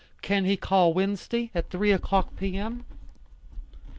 Can he call Wednesday at three o'clock P. M.?"